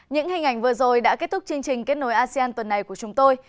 những hình ảnh vừa rồi đã kết thúc chương trình kết nối asean tuần này của chúng tôi